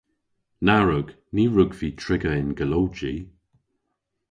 Na wrug. Ny wrug vy triga yn golowji.